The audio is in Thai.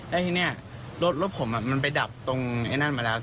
แล้วทีนี้รถผมมันไปดับตรงไอ้นั่นมาแล้ว